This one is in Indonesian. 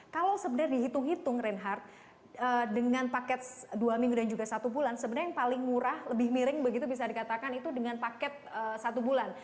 kalau sebenarnya dihitung hitung reinhardt dengan paket dua minggu dan juga satu bulan sebenarnya yang paling murah lebih miring begitu bisa dikatakan itu dengan paket satu bulan